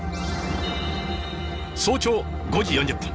早朝５時４０分。